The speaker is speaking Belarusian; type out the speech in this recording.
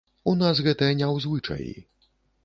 У нас гэта не ў звычаі.